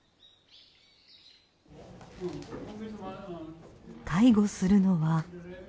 介護するのは。